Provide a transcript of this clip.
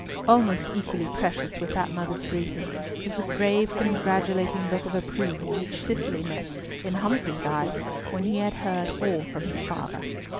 Almost equally precious with that mother's greeting was the grave congratulating look of approval which Cicely met in Humfrey's eyes when he had heard all from his father.